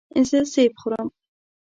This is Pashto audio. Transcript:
زه سیب خورم.